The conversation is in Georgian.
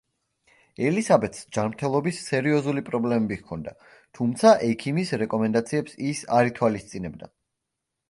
ელისაბედს ჯანმრთელობის სერიოზული პრობლემები ჰქონდა, თუმცა ექიმის რეკომენდაციებს ის არ ითვალისწინებდა.